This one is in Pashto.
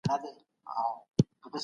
پروتستانان او کاتولیکان سره پرتله سول.